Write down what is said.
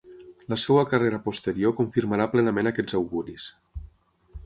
La seva carrera posterior confirmarà plenament aquests auguris.